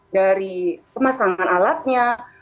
dari pemasangan alatnya